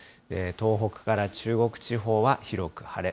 東北から中国地方は広く晴れ。